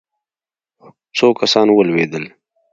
څو کسان ولوېدل.